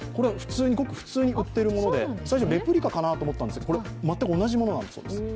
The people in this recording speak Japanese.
ごく普通に売っているもので最初はレプリカかなと思ったんですが全く同じものなんです。